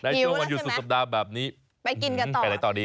หิวแล้วใช่ไหมน่ะไปกินกันต่อสวัสดี